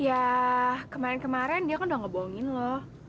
ya kemarin kemarin dia kan udah ngebohongin lo